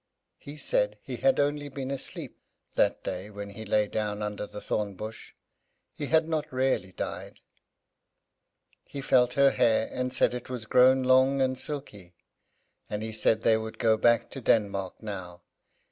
He said he had only been asleep that day when he lay down under the thorn bush; he had not really died. He felt her hair, and said it was grown long and silky, and he said they would go back to Denmark now.